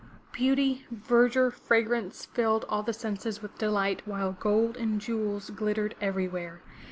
Beauty, verdure, fragrance filled all the senses with delight while gold and jewels glittered everywhere.